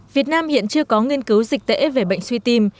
việt nam hiện chưa có nghiên cứu dịch tễ về bệnh suy tim